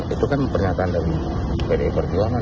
itu kan pernyataan dari pdi perjuangan